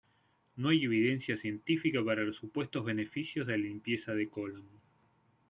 No hay evidencia científica para los supuestos beneficios de la limpieza de colon.